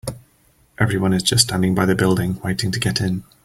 Everyone is just standing by the building, waiting to get in.